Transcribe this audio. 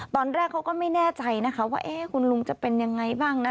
ตอนแรกเขาก็ไม่แน่ใจนะคะว่าคุณลุงจะเป็นยังไงบ้างนะ